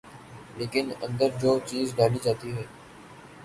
لیکن اندر جو چیز ڈالی جاتی ہے۔